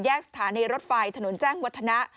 สถานีรถไฟถนนแจ้งวัฒนะ